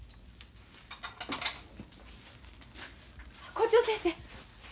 校長先生。